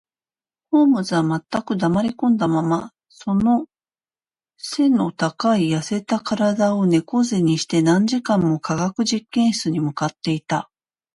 ホームズは全く黙りこんだまま、その脊の高い痩せた身体を猫脊にして、何時間も化学実験室に向っていた